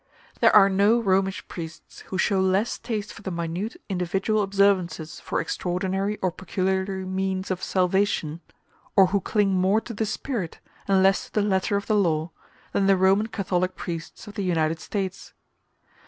There are no Romish priests who show less taste for the minute individual observances for extraordinary or peculiar means of salvation, or who cling more to the spirit, and less to the letter of the law, than the Roman Catholic priests of the United States.